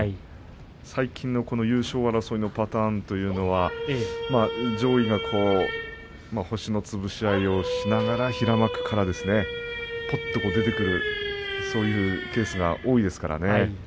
最近の優勝争いのパターンというのは上位が星のつぶし合いをしながら平幕からぽっと出てくるそういうケースが多いですからね。